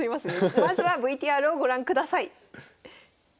まずはＶＴＲをご覧ください。